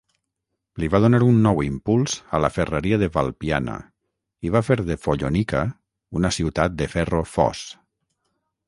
Li va donar un nou impuls a la ferreria de Valpiana i va fer de Follonica una ciutat de ferro fos.